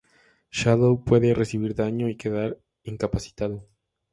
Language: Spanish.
Shadow puede recibir daño y quedar incapacitado.